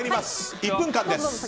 １分間です。